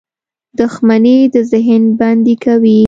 • دښمني د ذهن بندي کوي.